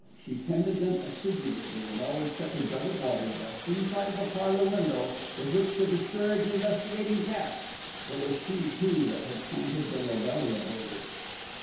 She tended them assiduously, and always kept a jug of water just inside the parlour window with which to discourage investigating cats. It was she too that had planted the lobelia border.